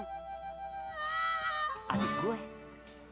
kayati kenapa dia kenceng kenceng orang